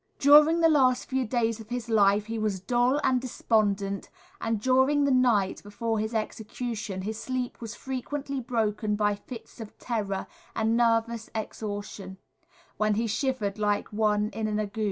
During the last few days of his life he was dull and despondent, and during the night before his execution his sleep was frequently broken by fits of terror and nervous exhaustion, when he shivered like one in an ague.